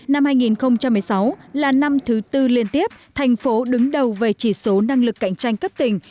năm hai nghìn một mươi sáu là năm thứ tư liên tiếp thành phố đứng đầu về chỉ số năng lực cạnh tranh cấp tỉnh